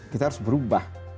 kita harus berubah